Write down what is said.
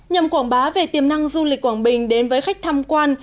nhằm quảng bá về tiềm năng du lịch quảng bình đến với khách tham quan